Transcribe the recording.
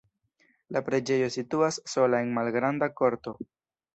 La preĝejo situas sola en malgranda korto.